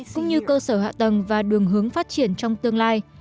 cũng như cơ sở hạ tầng và đường hướng phát triển trong tương lai